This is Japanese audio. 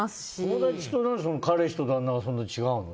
友達と、彼氏と旦那はそんなに違うの？